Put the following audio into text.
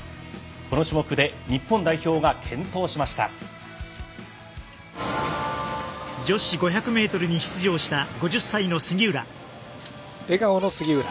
この種目で女子５００ｍに出場した５０歳の杉浦。